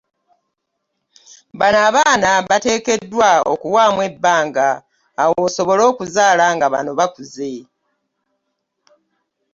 Bano abaana bateekeddwa okuwaamu ebbanga awo osobole okuzaala nga bano bakuze.